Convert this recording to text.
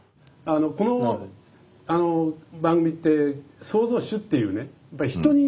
この番組って創造主っていうね人にね